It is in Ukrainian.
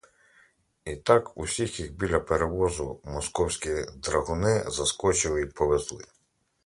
І так усіх їх біля перевозу московські драгуни заскочили і повезли.